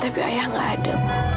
tapi ayah gak ada